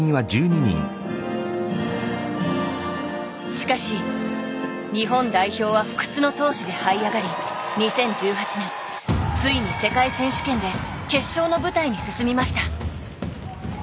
しかし日本代表は不屈の闘志ではい上がり２０１８年ついに世界選手権で決勝の舞台に進みました。